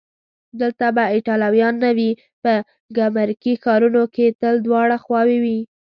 دلته به ایټالویان نه وي؟ په ګمرکي ښارونو کې تل دواړه خواوې وي.